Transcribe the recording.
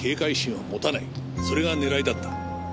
それが狙いだった。